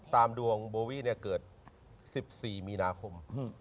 ตามดวงโบวี่เกิด๑๔มีนาคม